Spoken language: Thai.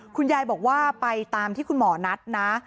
คุณยายบอกว่าไปตามที่คุณหมอนัดนะ